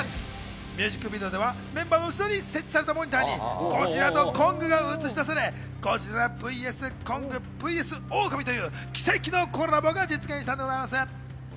ミュージックビデオではメンバーの後ろに設置されたモニターにゴジラとコングが映し出され、ゴジラｖｓコングｖｓ狼という奇跡のコラボが実現しました。